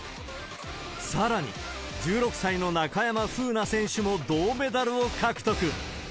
さらに、１６歳の中山楓奈選手も銅メダルを獲得。